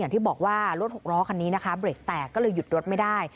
อย่างที่บอกว่ารถหกล้อคันนี้นะคะเบรกแตกก็เลยหยุดรถไม่ได้